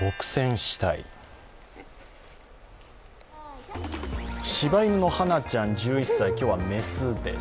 しば犬のハナちゃん１１歳、今日は雌です。